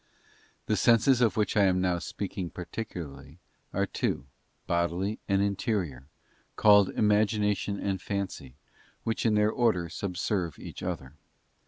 The senses of which I am now speaking particularly are | two, bodily and interior, called imagination and fancy, which in their order subserve each other.